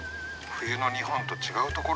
冬の日本と違うところ。